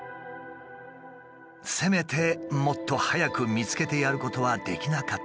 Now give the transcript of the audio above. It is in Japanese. せめてもっと早く見つけてやることはできなかったのか。